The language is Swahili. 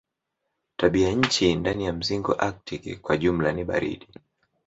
Tabianchi ndani ya mzingo aktiki kwa jumla ni baridi.